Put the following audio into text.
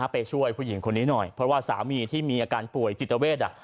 ไปช่วยผู้หญิงคนนี้หน่อยเพราะว่าสามีที่มีอาการป่วยจิตเวท